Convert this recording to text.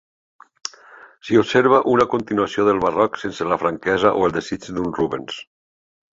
S'hi observa una continuació del barroc sense la franquesa o el desig d'un Rubens.